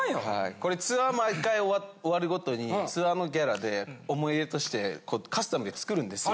これツアー毎回終わる毎にツアーのギャラで思い出としてカスタムで作るんですよ。